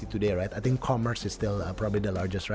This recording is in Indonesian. saya pikir komers masih paling besar